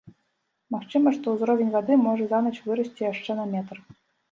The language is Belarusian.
Магчыма, што ўзровень вады можа за ноч вырасці яшчэ на метр.